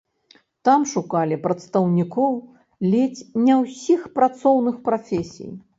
Там шукалі прадстаўнікоў ледзь не ўсіх працоўных прафесій.